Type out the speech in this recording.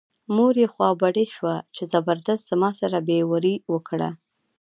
مور یې خوا بډۍ شوه چې زبردست زما سره بې وري وکړه.